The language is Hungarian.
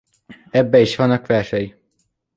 Ebbe is vannak versei.